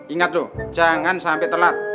ingat loh jangan sampai telat